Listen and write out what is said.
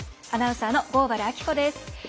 アナウンサーの合原明子です。